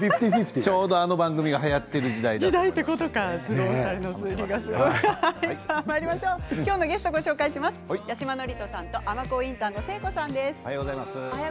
ちょうど、あの番組がはやっている時代っていう今日のゲストは八嶋智人さんと尼神インターの誠子さんです。